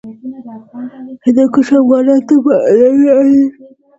هندوکش افغانانو ته معنوي ارزښت لري.